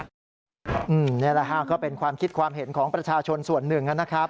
นี่แหละฮะก็เป็นความคิดความเห็นของประชาชนส่วนหนึ่งนะครับ